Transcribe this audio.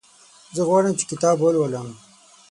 زه غواړم چې کتاب ولولم.